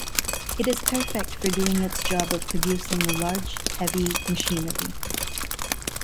It is perfect for doing its job of producing large, heavy machinery.